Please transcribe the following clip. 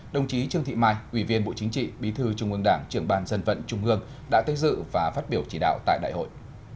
đồng chí trương thị mai ủy viên bộ chính trị bí thư trung ương đảng trưởng ban dân vận trung ương đã tới dự và phát biểu chỉ đạo tại đại hội